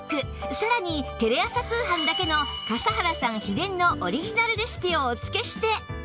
さらにテレ朝通販だけの笠原さん秘伝のオリジナルレシピをお付けして